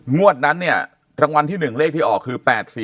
งวดนั้นเนี่ยรางวัลที่๑เลขที่ออกคือ๘๔